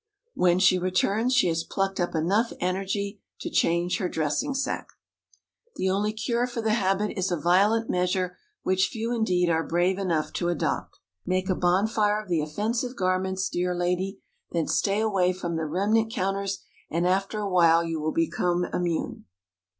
When she returns, she has plucked up enough energy to change her dressing sack! The only cure for the habit is a violent measure which few indeed are brave enough to adopt. Make a bonfire of the offensive garments, dear lady; then stay away from the remnant counters, and after a while you will become immune.